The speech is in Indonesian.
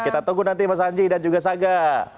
kita tunggu nanti mas anji dan juga saga